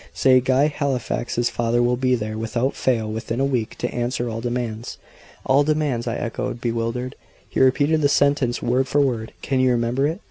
Say Guy Halifax's father will be there, without fail, within a week, to answer all demands." "All demands!" I echoed, bewildered. He repeated the sentence word for word. "Can you remember it?